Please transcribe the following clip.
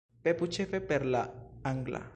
Pepu ĉefe per la angla